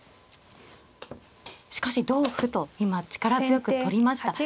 しかし同歩と今力強く取りました。